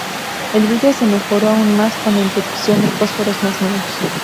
El brillo se mejoró aún más con la introducción de fósforos más nuevos.